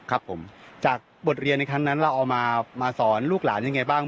ครับผมจากบทเรียนในครั้งนั้นเราเอามาสอนลูกหลานยังไงบ้าง